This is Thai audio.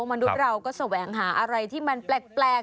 มนุษย์เราก็แสวงหาอะไรที่มันแปลก